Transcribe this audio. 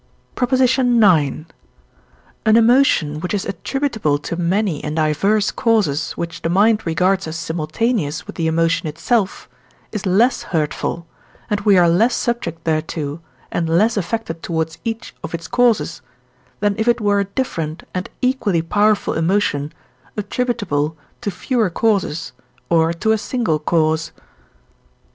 PROP. IX. An emotion, which is attributable to many and diverse causes which the mind regards as simultaneous with the emotion itself, is less hurtful, and we are less subject thereto and less affected towards each of its causes, than if it were a different and equally powerful emotion attributable to fewer causes or to a single cause.